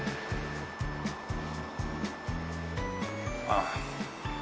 ああ。